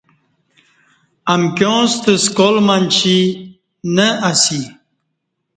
امکیاں ستہ سکال منچی نہ اسی